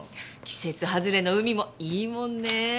季節はずれの海もいいもんね。